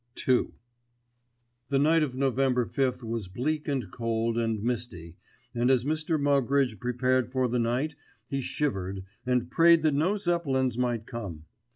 *II* The night of November 5th was bleak and cold and misty, and as Mr. Moggridge prepared for the night he shivered, and prayed that no Zeppelins might come.